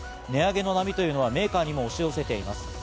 値上げの波というのはメーカーにも押し寄せています。